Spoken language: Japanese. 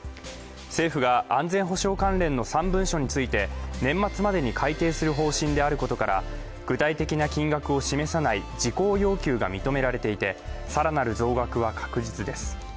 政府が安全保障関連の３文書について年末までに改定する方針であることから、具体的な金額を示さない事項要求が認められていて更なる増額は確実です。